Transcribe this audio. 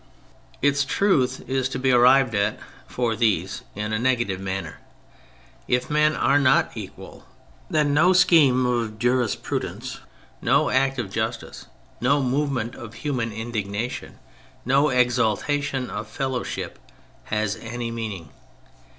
Its truth is to be arrived at (for these) in a negative manner. If men are not equal then no scheme of jurisprudence, no act of justice, no movement of human indignation, no ex altation of fellowship, has any meaning.